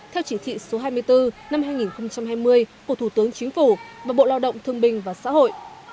theo chỉ thị số hai mươi bốn năm hai nghìn hai mươi của thủ tướng chính phủ và bộ lao động thương binh và xã hội